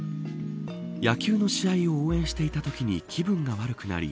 野球の試合を応援していたときに気分が悪くなり